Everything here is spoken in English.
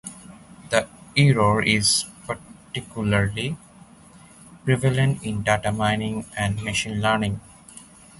The error is particularly prevalent in data mining and machine learning.